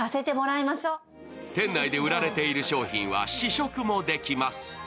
店内で売られている商品は試食もできます。